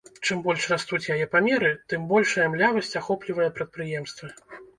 Чым больш растуць яе памеры, тым большая млявасць ахоплівае прадпрыемствы.